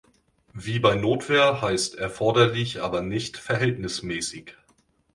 Wie bei Notwehr heißt erforderlich aber nicht verhältnismäßig.